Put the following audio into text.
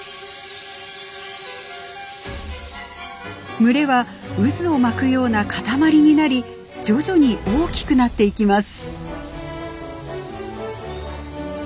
群れは渦を巻くような固まりになり徐々に大きくなっていきます。